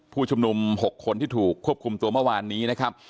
ผู้ชุมนุม๖คนที่ถูกควบคุมตัวเมื่อวานนี้นะครับ